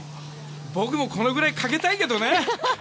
僕もこのぐらいかけたいけどね！